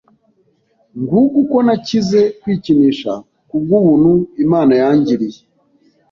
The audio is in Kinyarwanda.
Nguko uko nakize kwikinisha kubw’ubuntu Imana yangiriye.